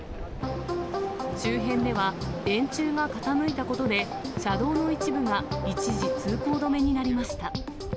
周辺では、電柱が傾いたことで、車道の一部が一時通行止めになりました。